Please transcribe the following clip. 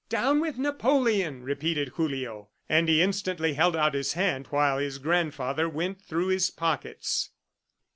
"Down with Napoleon!" repeated Julio. And he instantly held out his hand while his grandfather went through his pockets.